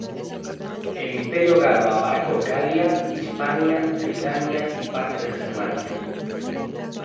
El Imperio galo abarcó Galia, Hispania, Britania y parte de Germania.